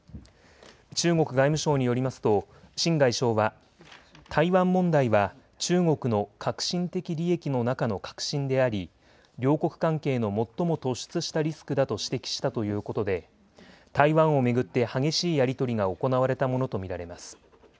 中国外務省によりますと秦外相は台湾問題は中国の核心的利益の中の核心であり、両国関係の最も突出したリスクだと指摘したということで台湾を巡って激しいやりとりが行われたものと見られます。